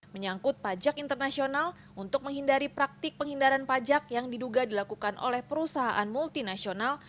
menyangkut pajak internasional untuk menghindari praktik penghindaran pajak yang diduga dilakukan oleh perusahaan multinasional